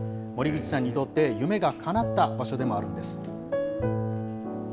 森口さんにとって、夢がかなった場所でもあるんです。